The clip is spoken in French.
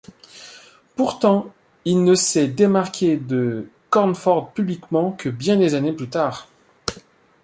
Pourtant il ne s'est démarqué de Cornford publiquement que bien des années plus tard.